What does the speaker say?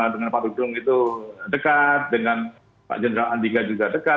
dengan pak dudung itu dekat dengan pak jenderal andika juga dekat